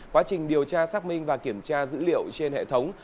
quá trình điều tra xác minh và kiểm tra dữ liệu trên hệ thống